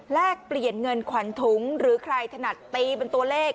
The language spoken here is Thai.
แลกเปลี่ยนเงินขวัญถุงหรือใครถนัดตีเป็นตัวเลข